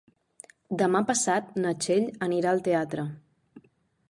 Demà passat na Txell anirà al teatre.